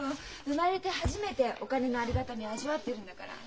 生まれて初めてお金のありがたみ味わってるんだから。